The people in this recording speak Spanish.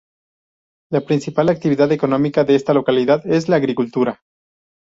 La principal actividad económica de esta localidad es la agricultura.